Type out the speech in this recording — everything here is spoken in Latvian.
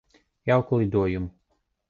Jauku lidojumu.